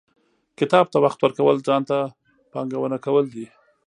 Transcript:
• کتاب ته وخت ورکول، ځان ته پانګونه کول دي.